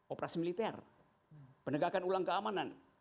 operasi militer penegakan ulang keamanan